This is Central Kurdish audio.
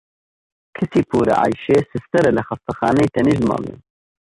کچی پوورە عەیشێ سستەرە لە خەستانەی تەنیشت ماڵیان.